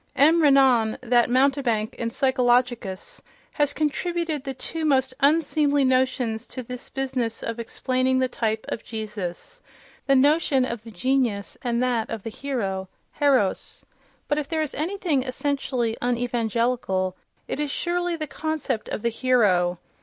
M. Renan, that mountebank in psychologicus, has contributed the two most unseemly notions to this business of explaining the type of Jesus: the notion of the genius and that of the hero ("héros"). But if there is anything essentially unevangelical, it is surely the concept of the hero.